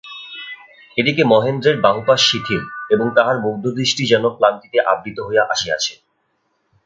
এ দিকে মহেন্দ্রের বাহুপাশ শিথিল এবং তাহার মুগ্ধদৃষ্টি যেন ক্লান্তিতে আবৃত হইয়া আসিয়াছে।